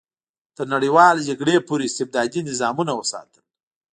تر نړیوالې جګړې پورې استبدادي نظامونه وساتل.